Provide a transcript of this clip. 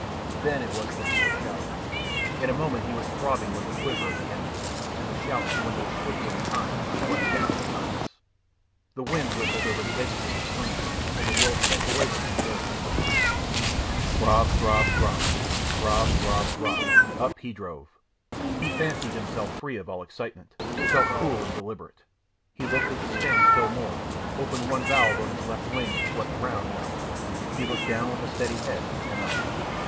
Then it was the people shouted. In a moment he was throbbing with the quiver of the engine, and the shouts dwindled swiftly behind, rushed down to silence. The wind whistled over the edges of the screen, and the world sank away from him very swiftly. Throb, throb, throb throb, throb, throb; up he drove. He fancied himself free of all excitement, felt cool and deliberate. He lifted the stem still more, opened one valve on his left wing and swept round and up. He looked down with a steady head, and up.